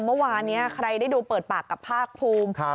เมื่อวานนี้ใครได้ดูเปิดปากกับภาคภูมิ